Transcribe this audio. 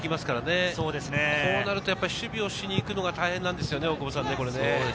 こうなると守備をしに行くのが大変なんですよね。